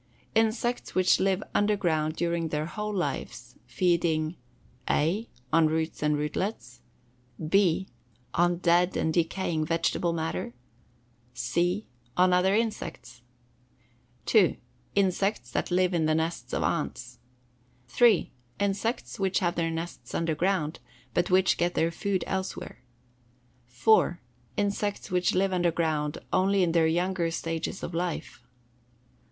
Insects which live underground during their whole lives, feeding (a) on roots and rootlets; (b) on dead and decaying vegetable matter; (c) on other insects. 2. Insects which live in the nests of ants. 3. Insects which have their nests underground, but which get their food elsewhere. 4. Insects which live underground only in their younger stages of life.